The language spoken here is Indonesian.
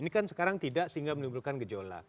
ini kan sekarang tidak sehingga menimbulkan gejolak